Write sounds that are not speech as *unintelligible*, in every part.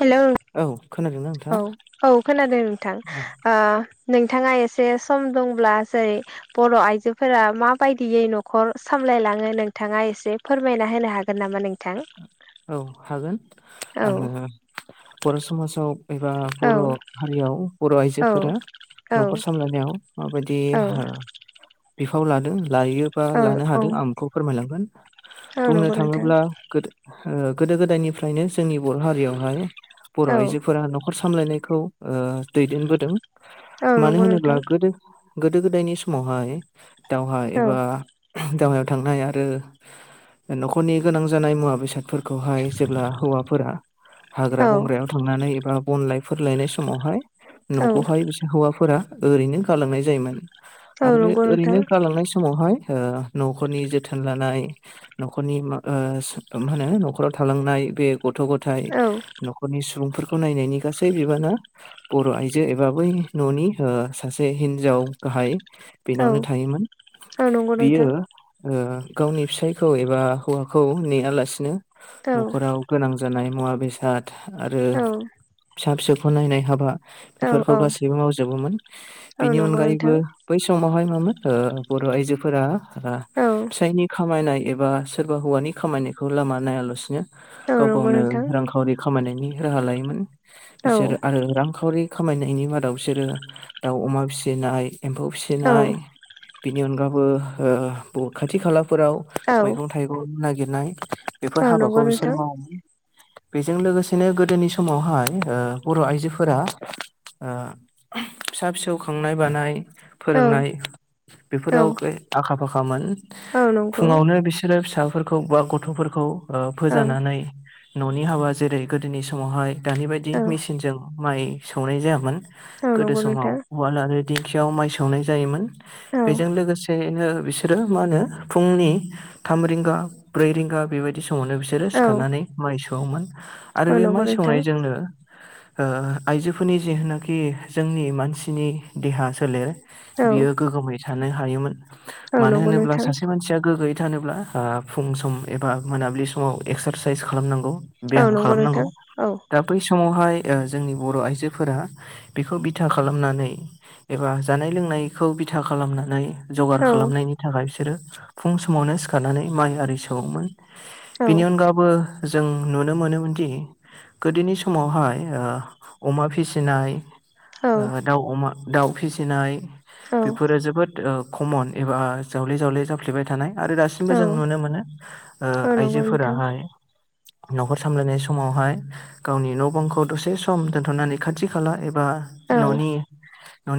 Hello औ खोनादोंना? औ नोंथाङा औ खोनादों औ नोंथां नोंथाङा एसे सम दंब्ला जेरै बर' आइजोफोरा माबायदियै न'खर सामलायलाङो नोंथाङा एसे फोरमायना होनो हागोन नामा नों औ हागोन औ आङो बर' समाजाव एबा औ बर' हारियाव बर' औ आइजोफोरा औ न'खर सामलायनायाव माबायदि औ बिफाव लादों लायो बा औ लानो औ हादों आं बेखौ फोरमायलांगोन औ बुंनो नंगौ नोंथां थाङोब्ला गोदो ओ गोदो गोदायनिफ्रायनो जोंनि बर' हारियावहाय बर' औ आइजोफोरा न'खर सामलायनायखौ ओ दैदेनबोदों औ मानो नंगौ होनोब्ला नोंथां गोदो गोदो गोदायनि समावहाय दावहा औ एबा दावहायाव थांनाय आरो न'खरनि गोनां जानाय मुवा बेसाद फोरखौहाय जेब्ला हौवाफोरा हाग्रा औ बंग्रायाव थांनानै एबा बायफोर लायनाय समावहाय औ न'खौहाय बि हौवाफोरा ओरैनो गालांनाय जायोमोन औ नंगौ नों बेनो गालांनाय समावहाय ओ न'खरनि जोथोन लानाय न'खरनि मा ओ होनो न'खराव थालांनाय बे गथ' गथाय औ नखरनि सुबुंफोरखौ नायनायनि गासै बिबाना बर' आइजो एबा बै न'नि ओ सासे हिनजाव गाहाय औ बेनावनो थायोमोन औ नंगौ बियो नोंथां ओ गावनि फिसायखौ एबा हौवाखौ नेयालासिनो औ न'खराव गोनां जानाय मुवा बेसाद आरो औ फिसा फिसौखौ नायनाय हाबा औ बेफोरखौ औ गासैबो मावजोबोमोन औ बिनि नंगौ अनगायैबो नोंथां बै समावहाय मामोन ओ बर' आइजोफोरा औ फिसायनि खामायनाय एबा सोरबा हौवानि खामायनायखौ लामा नायालासिनो औ गाव नंगौ गावनो नोंथां रांखावरि खामायनायनि राहा लायोमोन औ बिसोर आरो रांखावरि खामायनायनि मादाव बिसोरो दाउ अमा फिसिनाय एम्फौ नाय औ बिनि अनगाबो ओ बहुत खाथि खालाफोराव औ मैगं थाइगं *unintelligible* नागिरनाय बेफोर औ नंगौ हाबाखौ बिसोर नोंथां मावो बेजों लोगोसेनो गोदोनि समावहाय ओ बर' आइजोफोरा ओ *unintelligible* फिसा फिसौ खांनाय बानाय औ फोरोंनाय औ बेफोराव आखा फाखामोन औ नंगौ फुङावनो बिस बिसोरो फिसाफोरखौ बा गथ'फोरखौ ओ औ फोजानानै न'नि हाबा जेरै गोदोनि समावहाय दानि बायदि औ मेसिनजों माइ सौनाय जायामोन। औ गोदो नंगौ समाव नोंथां उवाल आरो दिंखियाव माइ सौनाय जायोमोन। औ बेजों लोगोसेयैनो बिस रो मा होनो फुंनि थाम रिंगा ब्रै रिंगा बेबायदि स मावनो बिसोरो औ सिखारनानै माइ सौवोमोन आरो औ बे नंगौ माइ नोंथां सौनायजोंनो ओ आइजोफोरनि जिहोनोखि जोंनि मानसिनि देहा सोलेर औ बियो गोग्गोमै थानो हायोमोन औ मानो नंगौ होनोब्ला नोंथां सासे मानसिया गोग्गयै थानोब्ला आ फुं सम एबा मोनाबिलि समाव एक्सारसाइस खालामनांगौ औ ब्याम नंगौ खालामनांगौ नोंथां औ दा बै समावहाय ओ जोंनि बर' आइजोफोरा बेखौ बिथा खालामनानै एबा जानाय लोंनायखौ बिथा खालामनानै जगार औ खालामनायनि थाखाय बिस रो फुं समावनो सिखारनानै माइ आरि सौओमोन औ बेनि अनगा बो जों नुनो मोनोमोनदि गोदोनि समावहाय ओ अमा फिसिनाय औ ओ दाउ अमा दाउ फिसिनाय औ बेफोरो जोबोद ओ खमन एबा जावले जावले जाफ्लेबाय थानाय आरो दासि बो औ जों नुनो मोनो ओ औ नंगौ नोंथां आइजोफोराहाय न'खर सामलायनाय समावहाय गावनि न' बांखौ दसे सम दोनथ'नानै खाथि खाला एबा औ न'नि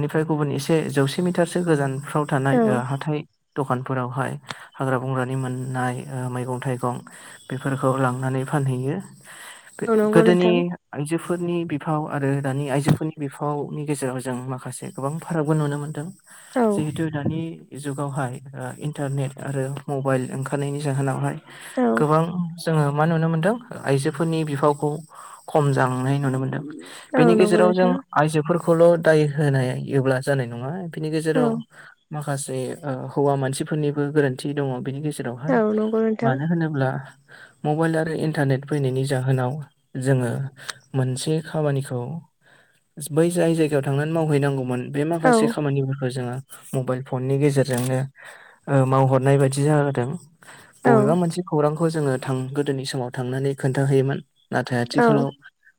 फ्राय गुबुन एसे जौसे मिटारसो गोजानफ्राव औ थानाय ओ हाथाय दखानफोरावहाय हाग्रा बंग्रानि मोननाय ओ मैगं थाइगं बेफोरखौ लांनानै फानहैयो गो औ नंगौ गोदोनि नोंथां आइजोफोरनि बिफाव आरो दानि आइजोफोरनि बिफावनि गेजेराव जों माखासे गोबां फारागबो नुनो मोन्दों औ जिहेतु दानि जुगावहाय ओ इन्टारनेट आरो मबाइल ओंखारनायनि जाहोनावहाय औ गोबां जोङो मा नुनो मोनदों आइजोफोरनि बिफावखौ खम जालांनाय नुनो मोनदों। औ बेनि नंगौ गेजेराव जों नोंथां आयजोफोरखौल' दाय होनायोब्ला जानाय नङा बिनि औ गेजेराव माखासे ओ हौवा मानसिफोरनिबो गोरोन्थि दङ बेनि गेजेराव औ बेहाय नंगौ नोंथां मानो होनोब्ला मबाइल आरो इन्टारनेट फैनायनि जाहोनाव जोङो मोनसे खामानिखौ बै जाय जायगायाव थांनानै मावहैनांगौमोन बे औ माखासे खामानिफोरखौ जोङो मबाइल फननि गेजेरजोंनो ओ मावहरनाय बादि जादों औ बबेबा मोनसे खौरांखौ जोङो थां गोदोनि समाव थांनानै खोन्थाहैयोमोन नाथाय आथिखालाव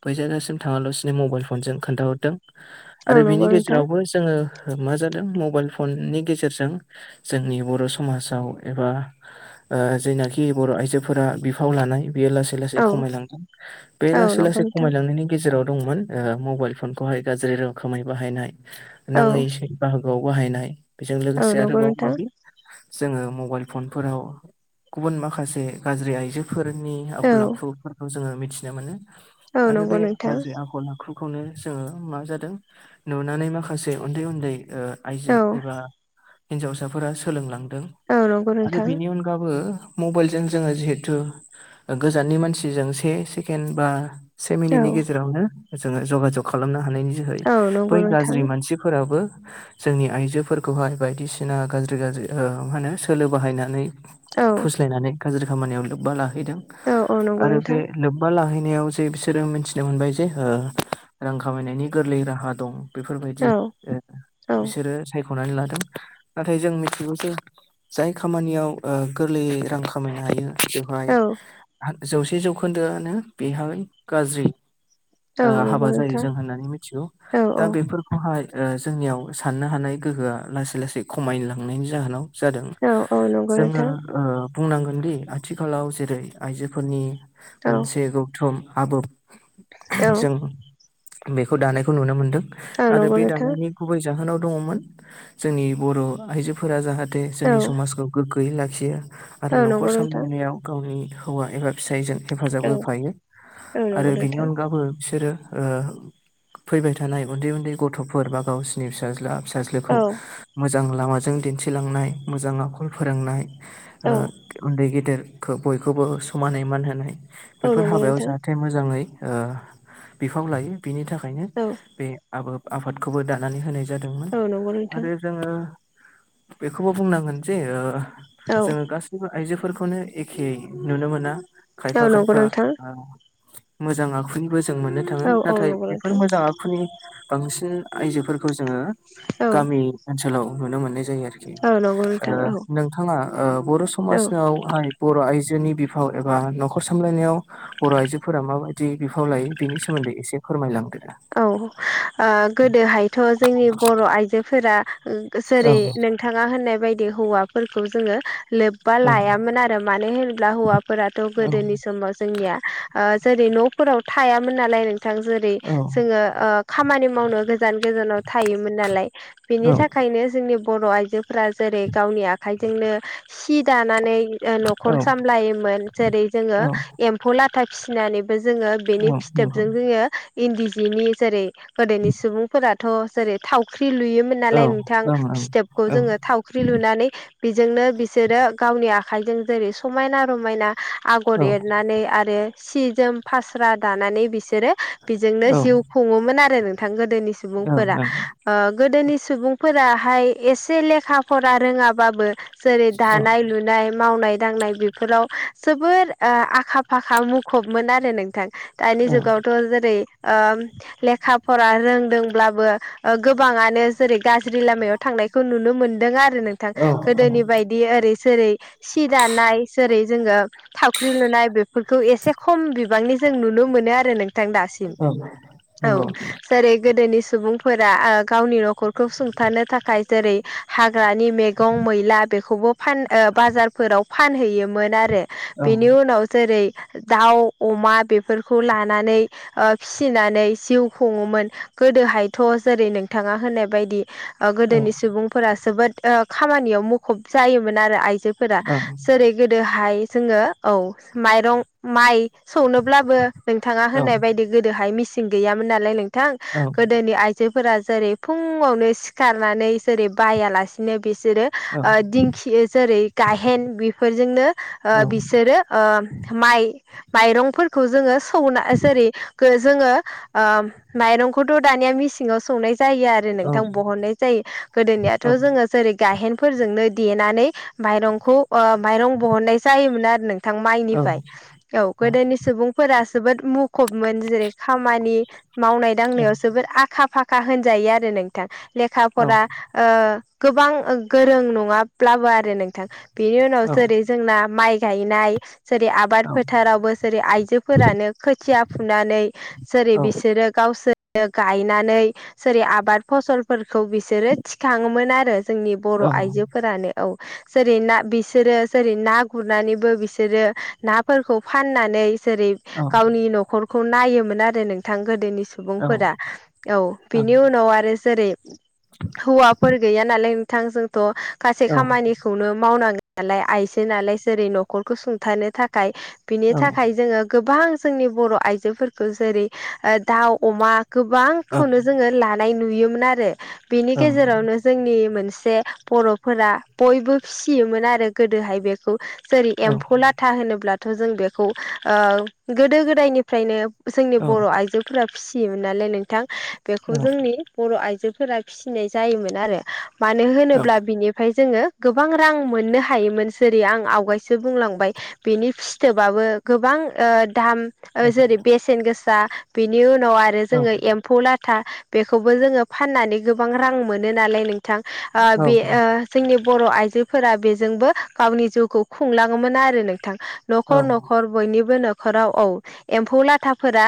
बैजायगासिम थाङाला'सिनो मबाइल फनजों खोन्थाहरदों औ आरो नंगौ बिनि गेजे नोंथां बो जोङो मा जादों मबाइल फननि गेजेरजों जोंनि बर' समाजाव एबा ओ जोयनाखि बर' आइजोफोरा बिफाव लानाय बियो लासै लासै औ खमायलाबाय बे औ नंगौ नोंथां औ लासै नंगौ लासै नोंथां खमायलांनायनि गेजेराव दंमोन ओ मबाइल फनखौहाय गाज्रि रोखोमै बाहायनाय औ नाङैसै बाहागोआव बाहायनाय बेजों लोगोसे आरोबाव माबि जोङो मबाइल फनफोराव गुबुन माखासे गाज्रि आइजो फोरनि आखल आखुफोरखौ जोङो मिथिनो मोनो औ आरो नंगौ बे नोंथां गाज्रि आखल आखु खुखौनो जोङो मा जादों नुनानै माखासे उन्दै उन्दै ओ आइजो औ एबा हिनजावसाफोरा सोलोंलांदों औ नंगौ आरो नोंथां बिनि अन गाबो मबेइलजों जोङो जिहेथु गोजाननि मानसिजों से सेकेण्ड बा से औ मिनिटनि गेजेरावनो जोङो जगाजग खालामनो हानायनि जोहै औ नंगौ नोंथां सिफोराबो जोंनि आइजोफोरखौहाय बायदिसिना गाज्रि गाज्रि ओ मा होनो सोलो बाहायनानै औ फुस्लायनानै गाज्रि खामानियाव लोब्बा लाहैदों। औ औ नंगौ आरो बे नोंथां लोब्बा लाहैनायाव जे बिसोरो मिथिनो मोनबाय जे ओ रां खामायनायनि गोरलै राहा दं। बेफोरबायदि औ ओ औ बिसोरो सायख'नानै लादों। नाथाय जों मिथिगौ जे जाय खामानियाव ओ गोरलैयै रां खामायनो हायो। बेवहाय औ हा जौसे जौखोन्दोआनो बेहाय गाज्रि औ ओ नंगौ हाबा जायो नोंथां जों होननानै मिथिगौ। औ औ दा बेफोरखौहाय ओ जोंनियाव साननो हानाय गोहोआ लासै लासै खमाय लांनायनि जाहोनाव जादों। औ औ नंगौ जोङो नोंथां ओ बुंनांगोन दि आथिखालाव जेरै आइजोफोरनि औ मोनसे गौ थुम आबोब औ जों बेखौ दानायखौ नुनो मोनदों। औ आरो नंगौ बे दानायनि नोंथां गुबै जाहोनाव दङ'मोन जोंनि बर' आइजोफोरा जाहा - दे औ जोंनि समाजखौ गोग्गोयै लाखियो आरो औ न'खर नंगौ नोंथां सामलायनायाव गावनि हौवा एबा फिसायजों हेफाजाब औ होफायो। औ आरो नंगौ बिनि नोंथां औ अनगाबो बिसोरो ओ फैबाय थानाय उन्दै उन्दै गथ'फोर बा गावसिनि फिसाज्ला फिसाज्लोखौ औ मोजां लामाजों दिन्थिलांनाय मोजां आखल फोरोंनाय ओ उन्दै गेदेरखो बयखौबो समानै मान होनाय। औ बेफोर नंगौ हाबायाव जाहाथे नोंथां थे मोजाङै ओ बिफाव लायो। बिनि थाखायनो औ आबोब आफादखौबो दानानै होनाय जादोंमोन। औ नंगौ नोंथां आरो जोङो बेखौबो बुंनांगोन जे ओ औ जोङो गासै बो आइजोफोरखौनो एखे नुनो मोना। खायफा औ नंगौ नोंथां औ नंगौ खायफा नोंथां मोजां आखुनिबो जों मोननो थाङो। नाथाय बेफोर औ मोजां आखु खुनि बांसिन आयजोफोरखौ जोङो गामि ओनसोलाव नुनो मोननाय जायो आरो। औ नंगौ ओ नोंथां औ नोंथाङा ओ बर' औ समाजनावहाय बर' आइजोनि बिफाव एबा न'खर सामलायनायाव बर' आइजोफोरा माबायदि बिफाव लायो बेनि सोमोन्दै एसे फोरमायलांदो। औ ओ गोदोहायथ' जोंनि बर' आइजोफोरा ओ ओ औ जेरै नों थाङा होननाय बायदि हौवाफोरखौ जोङो लोब बा औ लायामोन आरो मानो होनोब्ला हौवाफोराथ' गोदोनि समाव जोंनिया ओ जोरै न'फोराव थायामोन नालाय नोंथां जोरै औ ङो ओ खामानि मावनो गोजान गोजानाव थायोमोन नालाय। औ बिनि थाखायनो जोंनि बर' आइजो फ्रा जेरै गावनि आखाइजोंनो सि दानानै ओ औ न'खर सामलायोमोन। जेरै जोङो औ एम्फौ लाथा फिसिनानैबो जोङो बेनि फिथोबजों जोङो इन्दि जि जिनि जेरै गोदोनि सुबुंफोराथ' जेरै थावख्रि लुयो मोन नालाय नोंथां फिथोबखौ जोङो थाव ख्रि लुनानै बिजोंनो बिसोरो गावनि आखाइजों जेरै समायना रमायना आगर एरनानै आरो सि जोम फास्रा दानानै बिसोरो बिजोंनो जिउ खुङोमोन आरो नोंथां गोदोनि सुबुंफोरा। ओ गोदोनि सुबुंफोराहाय एसे लेखा फरा रोङाबाबो जेरै दानाय लुनाय मावनाय दांनाय बेफोराव जोबोर आखा फाखा मुखुबमोन आरो नोंथां। दानि जुगावथ' जेरै लेखा फरा रोंदोंब्लाबो गोबाङानो जेरै गाज्रि लामायाव थांनायखौ नुनो मोनदों आरो आरो नोंथां औ गोदोनि बायदि ओरै सोरै सि दानाय सेरै जोङो थावख्रि लुनाय बेफोरखौ एसे खम बिबांनि जों नुनो मोनो आरो नोंथां दासिम औ औ नंगौ जेरै गोदोनि सुबुंफोरा गावनि न'खरखौ सुंथानो थाखाय जेरै हाग्रानि मैगं मैला बेखौबो फान बाजारफोराव फानहैयोमोन आरो औ बेनि उनाव जेरै दाउ अमा बेफोरखौ लानानै फिसिनानै जिउ खङोमोन गोदोहायथ' जेरै नोंथाङा होननाय बायदि ओं ओं गोदोनि सुबुंफोरा जोबोद खामानियाव मुखुब जायोमोन आरो आइजो फोर औ जेरै गोदोहाय जोङो औ माइरं माइ संनोब्लाबो नोंथाङा औ होननाय बायदि गोदोहाय मिचिन गैयामोन नालाय नोंथां औ गोदोनि आइजोफोरा जेरै फुङावनो सिखारनानै जेरै बायालासिनो बिसोरो ओं दिंखि जेरै गाहेन बेफोरजोंनो औ नंगौ। औ ओं औ ओं औ बिसोरो माइ माइरंफोरखौ जोङो सौना जेरै जोङो माइरंखौथ' दानिया मेसेंआव संनाय जायो आरो नोंथां बहननाय जायो गोदोनिथ' जोङो जेरै गायहेनफोरजोंनो देनानै माइरंखौ माइरं बहननाय जायोमोन आरो नों बिथां माइनिफ्राय औ गोदोनि सुबुंफोरा जोबोद मुखुब जेरै खामानि मावनाय दांनायाव जबोोर आखा फाखा होनजायो आरो नों नोंथां लेखाफोरा गोबां गोरों नङाब्लाबो आरो नोंथां बेनि उनाव जेरै जोंना माइ गायनाय जेरै आबाद फोथारावबो जेरै आइजोफोरानो खोथिया फुनानै जेरै बिसोरो गावसोर गायनानै जेरै आबाद फसलफोरखौ बिसोरो थिखाङोमोन आरो जोंनि बर' आइजो फोरानो औ जेरै ना बिसोरो जेरै ना गुरनानैबो बिसोरो नाफोरखौ फाननानै जेरै गावनि न'खरखौ नायोमोन आरो नोंथां गोदोनिसिम औ सुबुंफोरा औ बिनि उनाव आरो जेरै हौवाफोर गैया नालाय नोंथां जोंथ' गासै औ खामानिखौ खौखौनो मावनांग नालाय आइस नालाय जेरै न'खरखौ सुंथानो थाखाय औ बिनि थाखाय जोङो गोबां जोंनि बर' आइजोफोरखौ जेरै दाउ अमा गोबांखौनो जोङो लानाय नुयोमोन आरो बेनि गेजेरावनो जोंनि मोनसे बर'फोरा बयबो फिसियोमोन आरो गोदोहाय बेखौ जेरै एम्फौ लाथा होनोब्लाथ' जों बेखौ गोदो गोदायनिफ्रायनो जोंनि बर' आइजोफोरा फिसियोमोन नालाय नोंथां बेखौ जोंनि बर' आइजोफोरा फिसिनाय जायोमोन आरो मानो होनोब्ला बिनिफ्राय जोङो गोबां रां मोननो हायोमोन सोरि आं आवगायसो बुंलांबाय बेनि फिथोबाबो गोबां दाम जेरै बेसेन गोसा बिनि उनाव आरो जोङो एम्फौ ला था बेखौबो जोङो फाननानै गोबां रां मोनो नालाय नोंथां बे जोंनि बर' आइजोफोरा बेजोंबो गावनि जिउखौ खुंलाङोमोन आरो नोंथां न'खर न'खर बयनिबो न'खराव औ एम्फौ लाथाफोरा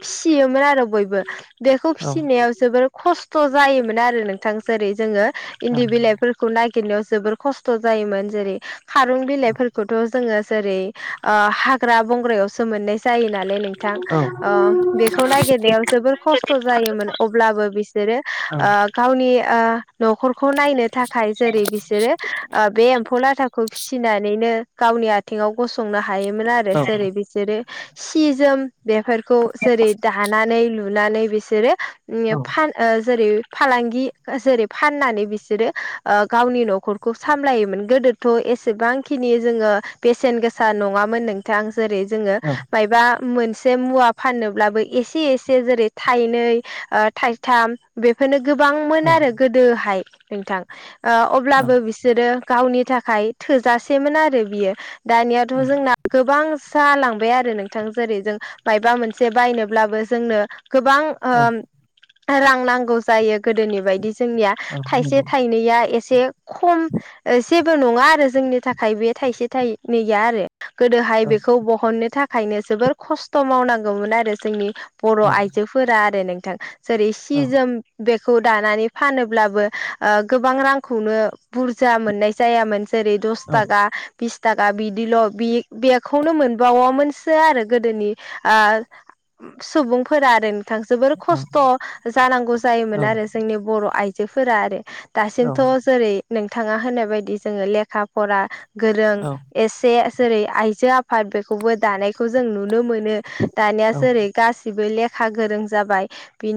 फिसियोमोन आरो बयबो बेखौ फिसिनायाव जोबोर खस्थ' जायोमोन आरो नोंथां जेरै जोङो इन्दि बिलाइ खौ नागिरनायाव जोबोर खस्थ' जायोमोन जेरै खारुन बिलाइफोरखौथ' जोङो जेरै हाग्रा बंग्रायावसो मोननाय जायो नालाय नोंथां ओ बेखौ नागिरनायाव जोबोर खस्थ' जायोमोन अब्लाबो बिसोरो ओ गावनि ओ न'खरखौ नायनो थाखाय जेरै बिसोरो ओ बे एम्फौ लाथाखौ फिनानैनो गावनि आथिंआव गसंनो हायोमोन आरो जेरै बिसोरो सि जोम बेफोरखौ जेरै दानानै लुनानै बिसोरो फान ओ जेरै फालांगि जेरै फाननानै बिसोरो ओ गावनि न'खरखौ सामलायोमोन गोदो थ' एसेबांखिनि जोङो बेसेन गोसा नङामोन नोंथां जेरै जोङो मायबा मोनसे मुवा फाननोब्लाबो एसे एसे जेरै थाइनै ओ थाइथाम बेफोरनो गोबांमोन आरो गोदोहाय नोंथां ओ औ अब्लाबो बि बिसोरो गावनि थाखाय थोजासेमोन आरो बियो दानियाथ' जोंना गोबां जालांबाय आरो नोंथां जेरै जों मायबा मोनसे बायनोब्लाबो जोंनो गोबां ओ औ रां नांगौ जायो गोदोनि बायदि जोंनिया थाइसे नंगौ थाइनैया एसे खम जेबो नङा आरो जोंनि थाखाय बे थाइसे थाइनैया आरो। गोदोहाय औ बेखौ बहननो थाखायनो जोबोर खस्थ' मावनांगौमोन आरो जोंनि बर' औ आइजोफोरा आरो नोंथां जेरै औ सि जोम बेखौ दानानै फानोब्लाबो ओ गोबां रांखौनो बुरजा मोननाय जायामोन जेरै दस थाखा बिस थाखा बिदिल' बे बेखौनो मोनबावामोन सो आरो गोदोनि ओ सुबुंफोरा आरो थां जोबोर खस्थ' जानांगौ जायोमोन आरो जोंनि बर' आइजोफोरा आरो औ दासिमथ' जेरै नोंथाङा होननाय बायदि जोङो लेखा फरा गोरों औ एसे जेरै आइजो आफाद बेखौबो दानायखौ जों नुनो मोनो दानिया औ जेरै गासिबो लेखा गोरों जाबाय बिनि